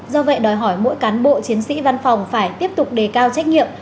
do vậy đòi hỏi mỗi cán bộ chiến sĩ văn phòng phải tiếp tục đề cao trách nhiệm